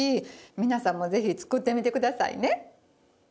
皆さんもぜひ作ってみてくださいね。